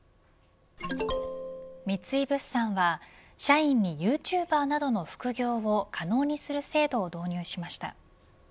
三井物産は社員にユーチューバーなどの副業を可能にする制度を導入しました。